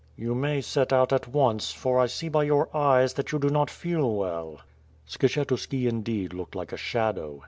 "You may set out at once, for I see by your eyes that you do not feel well." Skshetuski indeed looked like a shadow.